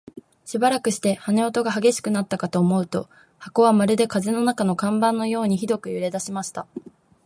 しばらくして、羽音が烈しくなったかと思うと、箱はまるで風の中の看板のようにひどく揺れだしました。